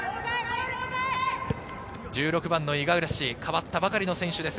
１６番・五十嵐、代わったばかりの選手です。